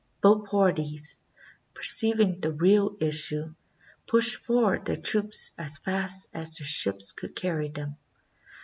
Both parties, perceiving the real is sue, pushed forward their troops as fast as their ships could carry them.